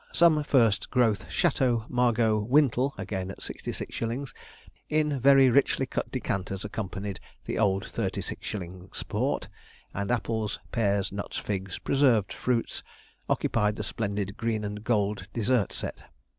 Some first growth Chateaux Margaux 'Wintle,' again at 66_s._, in very richly cut decanters accompanied the old 36_s._ port; and apples, pears, nuts, figs, preserved fruits, occupied the splendid green and gold dessert set.